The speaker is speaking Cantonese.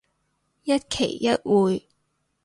一期一會